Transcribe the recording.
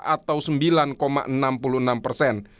atau sembilan enam puluh enam persen